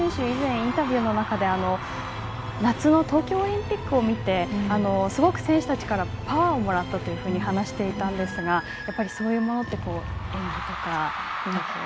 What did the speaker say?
以前、インタビューの中で夏の東京オリンピックを見てすごく選手たちからパワーをもらったと話していたんですがそういうものって演技とかにも。